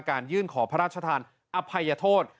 ยื่นขอพระราชทานอภัยโทษ